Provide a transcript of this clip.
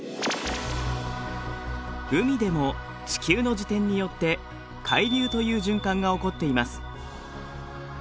海でも地球の自転によって海流という循環が起こっています。